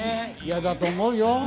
嫌だと思うよ。